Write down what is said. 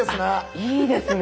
いいですね。